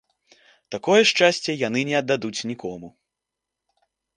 Такое шчасце яны не аддадуць нікому.